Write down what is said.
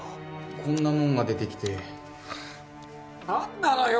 こんなもんが出てきて何なのよ